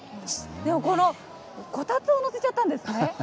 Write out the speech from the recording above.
でもこの、こたつを載せちゃったんですね。